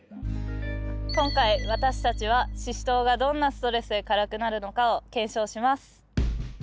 今回私たちはシシトウがどんなストレスで辛くなるのかを検証します。